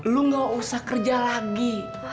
lu gak usah kerja lagi